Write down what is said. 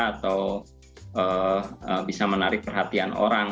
atau bisa menarik perhatian orang